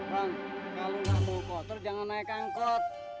pang kalau lu langsung kotor jangan naik angkot